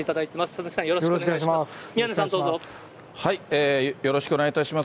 佐々木さん、よろしくお願いいたします。